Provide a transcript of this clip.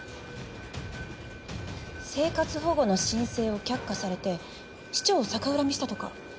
生活保護の申請を却下されて市長を逆恨みしたとか？